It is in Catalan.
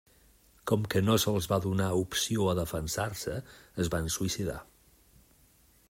Com que no se'ls va donar opció a defensar-se es van suïcidar.